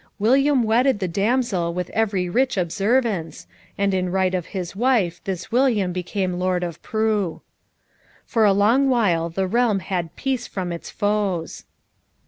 William wedded the damsel with every rich observance, and in right of his wife this William became Lord of Preaux. For a long while the realm had peace from its foes.